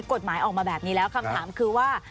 กฎหมายออกมาแบบนี้แล้วคำถามคือว่า